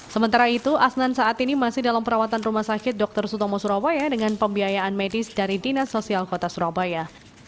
sementara itu asnan saat ini masih dalam perawatan rumah sakit dr sutomo surabaya dengan pembiayaan medis dari dinas sosial kota surabaya